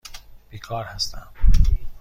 بیکار هستم.